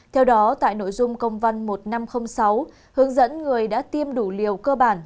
theo đó tại nội dung công văn một nghìn năm trăm linh sáu hướng dẫn người đã tiêm đủ liều cơ bản